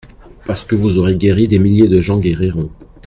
Parce que vous aurez guéri, des milliers de gens guériront.